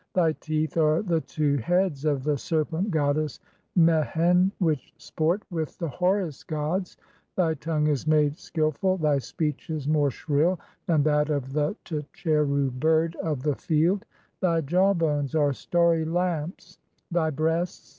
"Thy teeth are the two heads (17) of the serpent goddess Mehen "which sport (?) with the Horus gods ; thy tongue is made skil "ful ; thy speech is more shrill than that of the tcheru bird of "the field; thy jawbones are starry lamps; (18) thy breasts